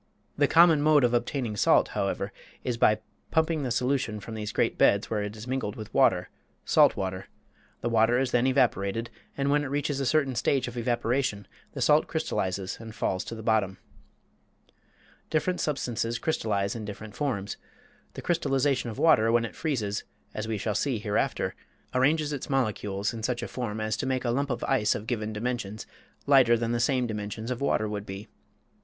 The common mode of obtaining salt, however, is by pumping the solution from these great beds where it is mingled with water salt water; the water is then evaporated, and when it reaches a certain stage of evaporation the salt crystallizes and falls to the bottom. Different substances crystallize in different forms. The crystallization of water when it freezes, as we shall see hereafter, arranges its molecules in such a form as to make a lump of ice of given dimensions lighter than the same dimensions of water would be.